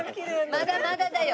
まだまだだよ。